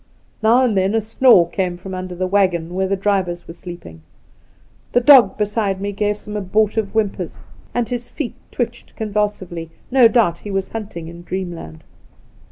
Now and then a snore came from under the waggon where the drivers were sleeping. • The dog beside me gave some abortive whimpers, and his feet twitched convulsively — no doubt he was hunting in dreamland.